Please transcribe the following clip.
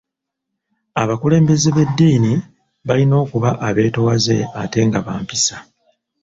Abakulembeze b'eddiini balina okuba abeetoowaze ate nga ba mpisa.